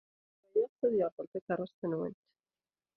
Yuba yeɣs ad yerḍel takeṛṛust-nwent.